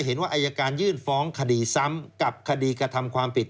เห็นว่าอายการยื่นฟ้องคดีซ้ำกับคดีกระทำความผิด